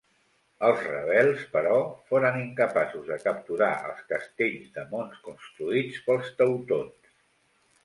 Els rebels, però, foren incapaços de capturar els castells de mons construïts pels teutons.